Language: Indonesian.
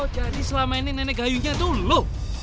jadi selama ini nenek gayunya dulu